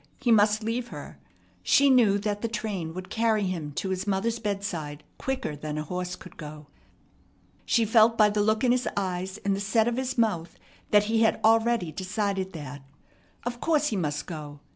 He must leave her. She knew that the train would carry him to his mother's bedside quicker than a horse could go. She felt by the look in his eyes and the set of his mouth that he had already decided that. Of course he must go.